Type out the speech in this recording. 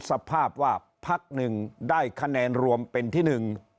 สภาพว่าพักหนึ่งได้คะแนนรวมเป็นที่หนึ่ง